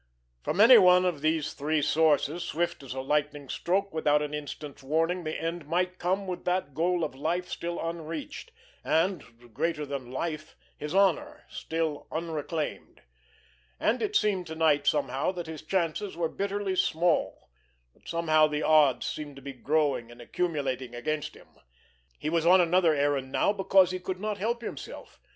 From anyone of these three sources, swift as a lightning stroke, without an instant's warning, the end might come with that goal of life still unreached, and, greater than life, his honor, still unreclaimed. And it seemed to night somehow that his chances were bitterly small, that somehow the odds seemed to be growing and accumulating against him. He was on another errand now, because he could not help himself.